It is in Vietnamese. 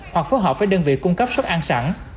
hoặc phối hợp với đơn vị cung cấp suất ăn sẵn